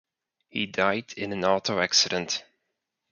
He died in an auto accident.